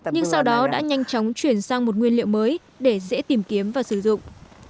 nhưng sau đó đã nhanh chóng chuyển sang một nguyên liệu mới để dễ tìm kiếm và sử dụng